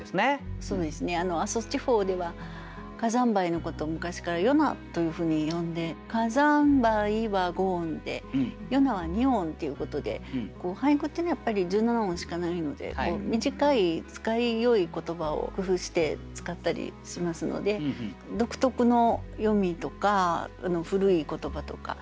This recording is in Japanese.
そうですね阿蘇地方では火山灰のことを昔から「よな」というふうに呼んで「かざんばい」は５音で「よな」は２音ということで俳句っていうのはやっぱり１７音しかないので短い使いよい言葉を工夫して使ったりしますので独特の読みとか古い言葉とか。